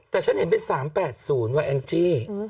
แต่ฉันเห็นเป็น๓๘๐ว่ะแองจี้